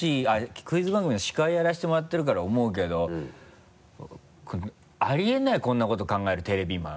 クイズ番組の司会やらせてもらってるから思うけどありえないこんなこと考えるテレビマン。